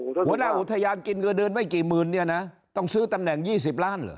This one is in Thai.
โอ้โหหัวหน้าอุทยานกินเงินไว้กี่หมื่นเนี้ยนะต้องซื้อตำแหน่งยี่สิบล้านเหรอ